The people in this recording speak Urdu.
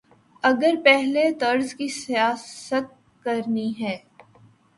اگر پہلے طرز کی سیاست کرنی ہے۔